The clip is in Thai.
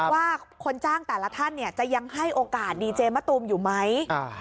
ว่าคนจ้างแต่ละท่านเนี่ยจะยังให้โอกาสดีเจมะตูมอยู่ไหม